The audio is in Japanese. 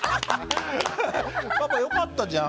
「パパよかったじゃん」